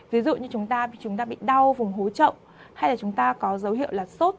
ví dụ như chúng ta bị đau vùng hố trộm hay là chúng ta có dấu hiệu là sốt